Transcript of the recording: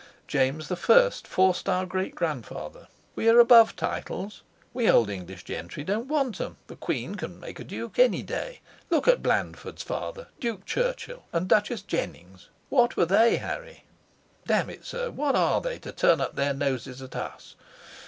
James the First forced our great grandfather. We are above titles; we old English gentry don't want 'em; the Queen can make a duke any day. Look at Blandford's father, Duke Churchill, and Duchess Jennings, what were they, Harry? Damn it, sir, what are they, to turn up their noses at us?